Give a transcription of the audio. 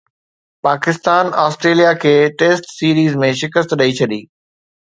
Pakistan Australia کي test series ۾ شڪست ڏئي ڇڏي